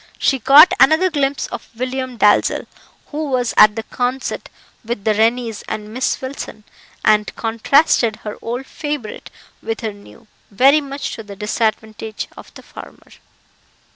She caught another glimpse of William Dalzell, who was at the concert with the Rennies and Miss Wilson, and contrasted her old favourite with her new, very much to the disadvantage of the former.